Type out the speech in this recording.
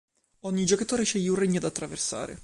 Ogni giocatore sceglie un regno da attraversare.